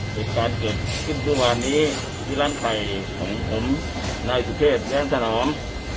เป็นการเกิดที่วันนี้ที่ร้านไข่ของผมนายสุเทศและนำสนอง